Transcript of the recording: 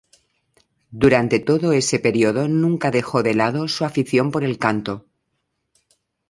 Durante todo ese período nunca dejó de lado su afición por el canto.